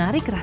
lalu dih suka